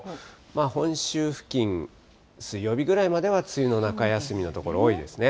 本州付近、水曜日ぐらいまでは梅雨の中休みの所、多いですね。